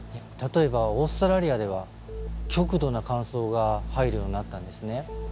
例えばオーストラリアでは極度な乾燥が入るようになったんですね。